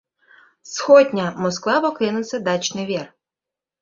Сходня — Москва воктенсе дачный вер.